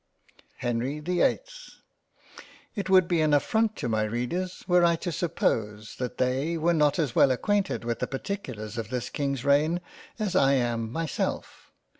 HENRY the 8th IT would be an affront to my Readers were I to suppose that they were not as well acquainted with the particulars of this King's reign as I am myself.